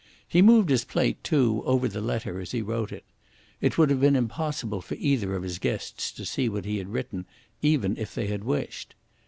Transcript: He moved his plate, too, over the letter as he wrote it. It would have been impossible for either of his guests to see what he had written, even if they had wished.